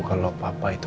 kalau papa itu